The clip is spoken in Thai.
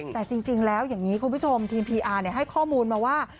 แต่จริงแล้วอย่างนี้คุณผู้ชมทีมพีอาร์ให้ข้อมูลมาว่า